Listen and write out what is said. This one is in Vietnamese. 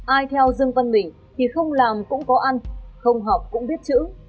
ai theo dương văn mình thì không làm cũng có ăn không học cũng biết chữ